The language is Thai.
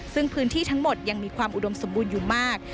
ซึ่งพื้นที่ทั้งหมดยังมีความอุดมสมบูรณ์อยู่มาก